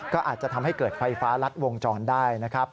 ก็อาจจะทำให้เกิดไฟฟ้ารัดวงจรได้นะครับ